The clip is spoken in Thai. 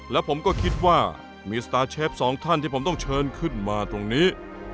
แล้วผมก็คิดว่ามีสตาร์เชฟสองท่านที่ผมต้องเชิญขึ้นมาตรงนี้